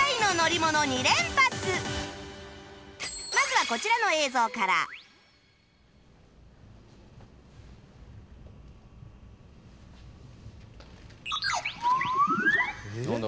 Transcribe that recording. まずはこちらの映像からなんだ？